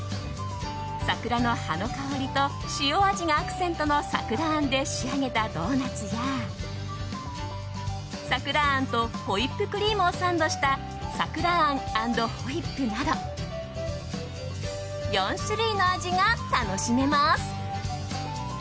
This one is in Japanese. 桜の葉の香りと塩味がアクセントの桜あんで仕上げたドーナツや桜あんとホイップクリームをサンドした桜あん＆ホイップなど４種類の味が楽しめます。